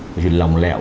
vì lòng lẹo